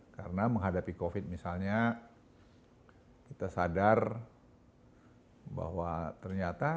karena menghadapi covid sembilan belas misalnya kita sadar bahwa ternyata